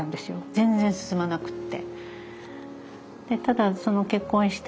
全然進まなくて。